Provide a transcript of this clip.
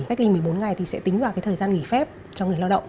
cách ly một mươi bốn ngày thì sẽ tính vào thời gian nghỉ phép cho người lao động